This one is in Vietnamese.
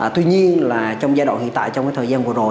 tuy nhiên là trong giai đoạn hiện tại trong cái thời gian vừa rồi